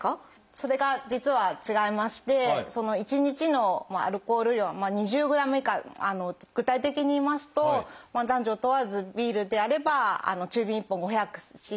それが実は違いまして１日のアルコール量２０ｇ以下具体的に言いますと男女問わずビールであれば中瓶１本５００ｃｃ以内。